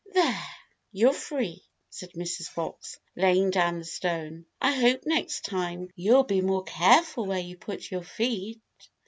"There, you're free," said Mrs. Fox, laying down the stone. "I hope next time you'll be more careful where you put your feet."